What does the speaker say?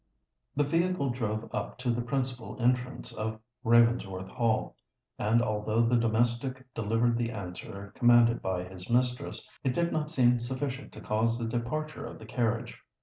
The vehicle drove up to the principal entrance of Ravensworth Hall; and although the domestic delivered the answer commanded by his mistress, it did not seem sufficient to cause the departure of the carriage.